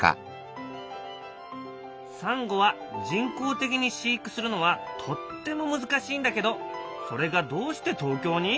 サンゴは人工的に飼育するのはとっても難しいんだけどそれがどうして東京に！？